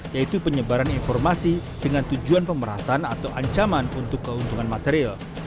yaitu penyebaran informasi dengan tujuan pemerasan atau ancaman untuk keuntungan material